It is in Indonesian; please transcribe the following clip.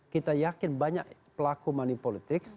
kita yakin banyak pelaku manipolitik